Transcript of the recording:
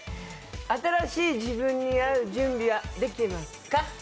新しい自分に会う準備はできてますか？